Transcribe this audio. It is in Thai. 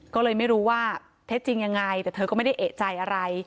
ก็เลยไม่รู้ว่าเท็จจริงยังไงแต่เธอก็ไม่ได้เอกใจอะไร